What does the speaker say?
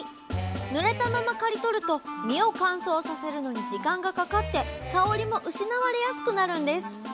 ぬれたまま刈り取ると実を乾燥させるのに時間がかかって香りも失われやすくなるんです。